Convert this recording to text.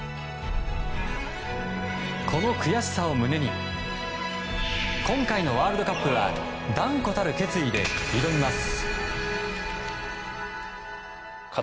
この悔しさを胸に今回のワールドカップは断固たる決意で挑みます。